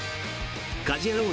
「家事ヤロウ！！！」